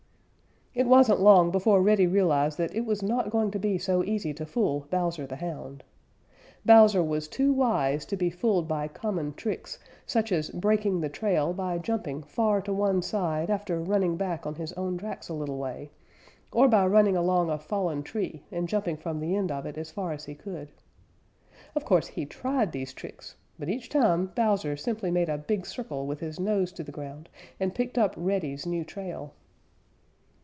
It wasn't long before Reddy realized that it was not going to be so easy to fool Bowser the Hound. Bowser was too wise to be fooled by common tricks such as breaking the trail by jumping far to one side after running back on his own tracks a little way; or by running along a fallen tree and jumping from the end of it as far as he could. Of course he tried these tricks, but each time Bowser simply made a big circle with his nose to the ground and picked up Reddy's new trail.